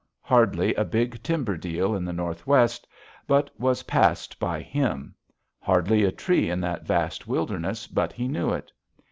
Hardly a big timber deal in the Northwest but was passed by him. Hardly a tree in that vast wilderness but he knew it.